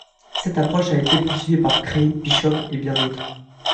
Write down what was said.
Cette approche a été poursuivie par Krey, Bishop et bien d'autres.